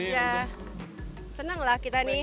ya senang lah kita nih